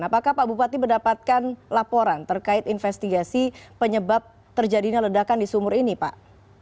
apakah pak bupati mendapatkan laporan terkait investigasi penyebab terjadinya ledakan di sumur ini pak